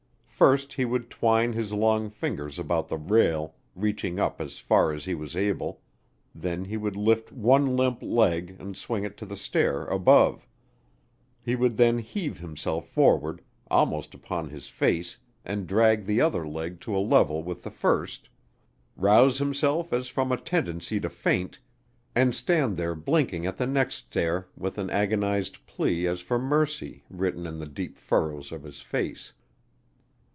First he would twine his long fingers about the rail reaching up as far as he was able; then he would lift one limp leg and swing it to the stair above; he would then heave himself forward almost upon his face and drag the other leg to a level with the first, rouse himself as from a tendency to faint, and stand there blinking at the next stair with an agonized plea as for mercy written in the deep furrows of his face.